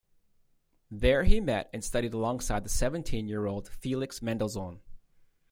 There he met and studied alongside the seventeen-year-old Felix Mendelssohn.